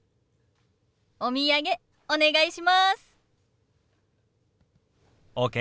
お土産お願いします。ＯＫ。